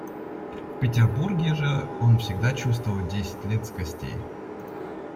В Петербурге же он всегда чувствовал десять лет с костей.